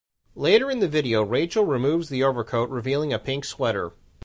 Later in the video Rachel removes the overcoat revealing a pink sweater.